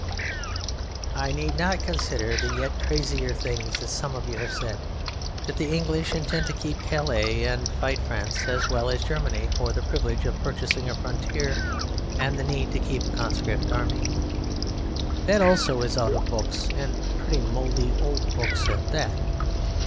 I need not consider the yet crazier things that some of you have said; as that the English intend to keep Calais and fight France as well as Germany for the privilege of purchasing a frontier and the need to keep a conscript army. That, also, is out of books, and pretty mouldy old books at that.